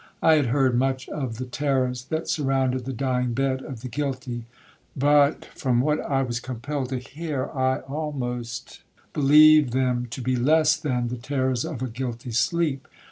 I had heard much of the terrors that surrounded the dying bed of the guilty, but, from what I was compelled to hear, I almost believe them to be less than the terrors of a guilty sleep.